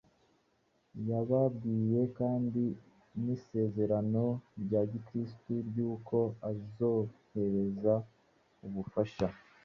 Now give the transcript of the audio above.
Yababwiye kandi n’isezerano rya Kristo ry’uko azohereza Umufasha,